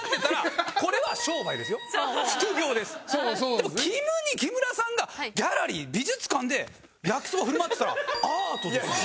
でもキム兄木村さんがギャラリー美術館で焼きそば振る舞ってたらアートです。